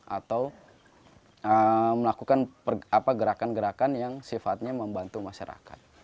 atau melakukan gerakan gerakan yang sifatnya membantu masyarakat